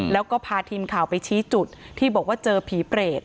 แล้วก็พาทีมข่าวไปชี้จุดที่บอกว่าเจอผีเปรต